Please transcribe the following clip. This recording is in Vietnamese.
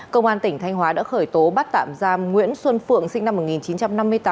công an tỉnh thanh hóa đã khởi tố bắt tạm giam nguyễn xuân phượng sinh năm một nghìn chín trăm năm mươi tám